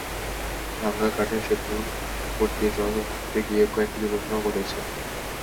ভাঙা কাঠের সেতুর ওপর দিয়ে চলাচল করতে গিয়ে কয়েকটি দুর্ঘটনাও ঘটেছে।